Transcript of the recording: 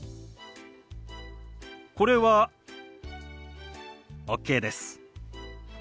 これはＯＫです。